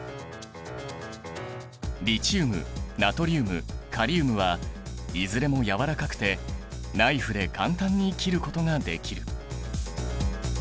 リチウムナトリウムカリウムはいずれもやわらかくてナイフで簡単に切ることができる。